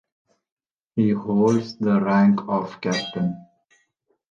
He holds the rank of Captain.